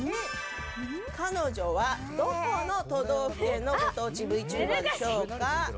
彼女は、どこの都道府県のご当地ＶＴｕｂｅｒでしょうか。